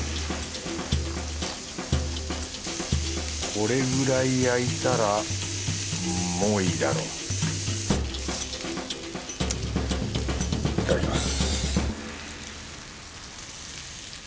これくらい焼いたらもういいだろういただきます。